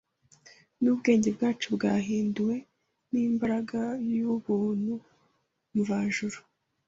n’ubwenge bwacu byahinduwe n’imbaraga y’ubuntu mvajuru,